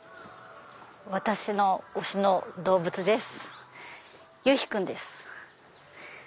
私の推しの動物です。